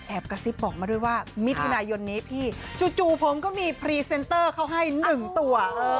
กระซิบบอกมาด้วยว่ามิถุนายนนี้พี่จู่ผมก็มีพรีเซนเตอร์เขาให้๑ตัว